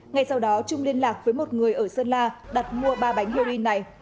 ngay sau đó trung liên lạc với một người ở sơn la đặt mua ba bánh heroin này